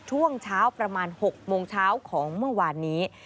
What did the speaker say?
ช่วงเช้าประมาณ๖โมงเช้าของเมื่อวานนี้